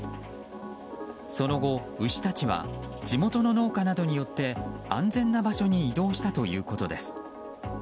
その後、牛たちは地元の農家などによって安全な場所に移動したということです。